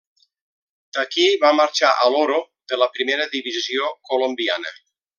D'aquí va marxar a l'Oro de la primera divisió colombiana.